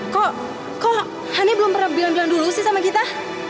kok kok hani belum pernah bilang bilang dulu sih sama kita